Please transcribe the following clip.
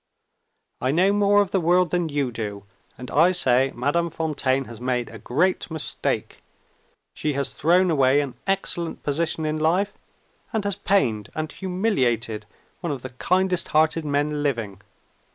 I know more of the world than you do; and I say Madame Fontaine has made a great mistake. She has thrown away an excellent position in life, and has pained and humiliated one of the kindest hearted men living.